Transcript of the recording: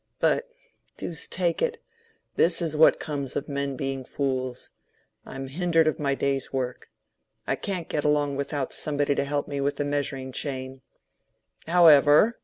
"But—deuce take it—this is what comes of men being fools—I'm hindered of my day's work. I can't get along without somebody to help me with the measuring chain. However!"